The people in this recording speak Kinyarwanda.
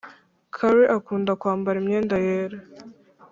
caly akunda kwambara imyenda yera